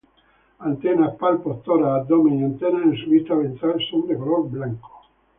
Antenas, palpos, tórax, abdomen, y antenas en su vista ventral son de color blanco.